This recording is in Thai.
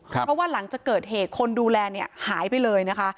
เพราะว่าหลังจากเกิดเหตุคนดูแลเนี่ยหายไปเลยนะคะ